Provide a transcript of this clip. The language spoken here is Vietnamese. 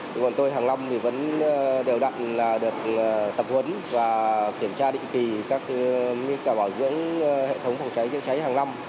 chúng tôi hàng năm vẫn đều đặn được tập huấn và kiểm tra định kỳ các bảo dưỡng hệ thống phòng cháy cháy cháy hàng năm